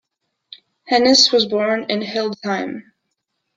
Hennis was born in Hildesheim.